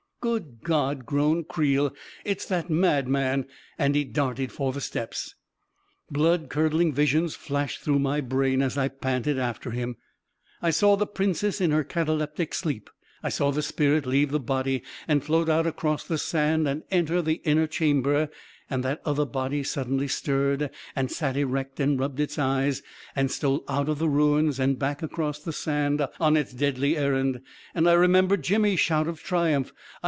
" Good God !" groaned Creel. " It's that mad man 1 " And he darted for the steps. Blood curdling visions flashed through my brain as I panted after him — I saw the Princess in her cataleptic sleep — I saw the spirit leave the body and float out across the sand and enter the innei\ chamber — and that other body suddenly stirred and sat erect and rubbed its eyes; and stole out of the ruins and back across the sand, on its deadly errand — and I remembered Jimmy's shout of tri umph ..